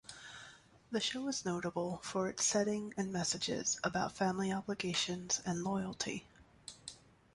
The show is notable for its setting and messages about family obligations and loyalty.